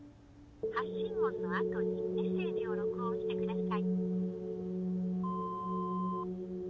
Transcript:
発信音の後にメッセージを録音してください。